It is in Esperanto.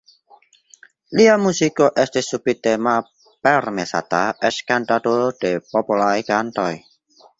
Lia muziko estis subite malpermesata, eĉ kantado de popolaj kantoj.